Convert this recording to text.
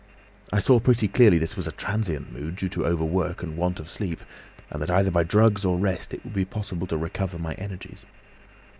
I saw pretty clearly this was a transient mood, due to overwork and want of sleep, and that either by drugs or rest it would be possible to recover my energies.